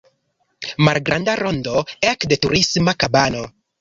Malgranda rondo ekde Turisma kabano.